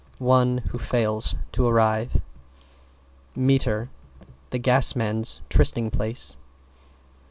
One who fails to arrive. =METER= The gas man's trysting place.